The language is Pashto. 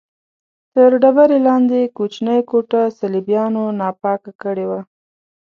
تر ډبرې لاندې کوچنۍ کوټه صلیبیانو ناپاکه کړې وه.